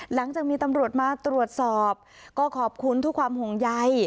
หลังจากมีตำรวจมาตรวจสอบก็ขอบคุณทุกความห่วงใย